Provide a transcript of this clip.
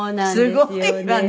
すごいね。